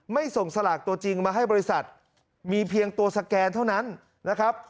ส่งสลากตัวจริงมาให้บริษัทมีเพียงตัวสแกนเท่านั้นนะครับ